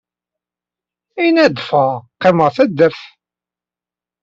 Ayen ɣ ad ffɣeɣ qqimeɣ taddart.